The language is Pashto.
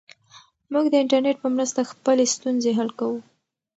موږ د انټرنیټ په مرسته خپلې ستونزې حل کوو.